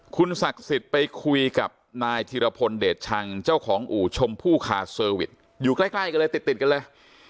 คุณศักดิ์สิทธิ์ไปคุยกับนายธิรพลเดชชังเจ้าของอู่ชมพู่คาเซอร์วิสอยู่ใกล้กันเลยติดติดกันเลย